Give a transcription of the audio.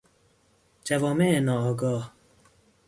جوامع ناآگاه